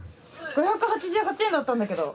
５８８円だったんだけど。